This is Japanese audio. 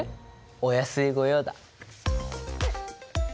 お安い御用だ。